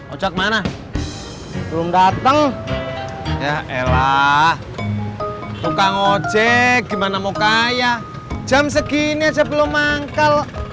ojek mana belum datang ya ela tukang ojek gimana mau kaya jam segini aja belum manggal